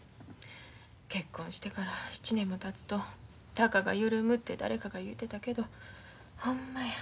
結婚してから７年もたつとタガが緩むて誰かが言うてたけどほんまや。